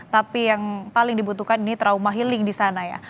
tapi yang paling dibutuhkan ini trauma healing di sana ya